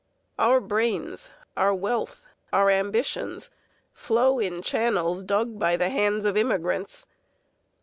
Our brains, our wealth, our ambitions flow in channels dug by the hands of immigrants.